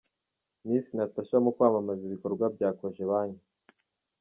Misi Natasha mu kwamamaza ibikorwa bya kojebanke